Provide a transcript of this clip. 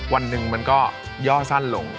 วันหนึ่งมันก็ย่อสั้นลง